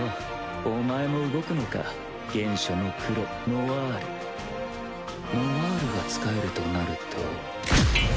お前も動くのか原初の黒ノワールノワールが仕えるとなると